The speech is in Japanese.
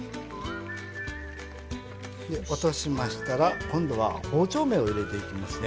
落としましたら今度は包丁目を入れていきますね。